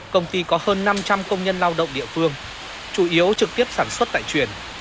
công ty có hơn năm trăm linh công nhân lao động địa phương chủ yếu trực tiếp sản xuất tại chuyển